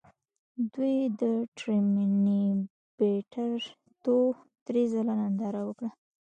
دوی د ټرمینیټر ټو درې ځله ننداره وکړه